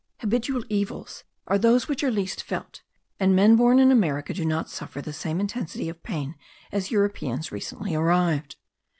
Habitual evils are those which are least felt; and men born in America do not suffer the same intensity of pain as Europeans recently arrived.